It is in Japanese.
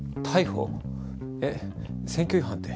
えっ選挙違反って？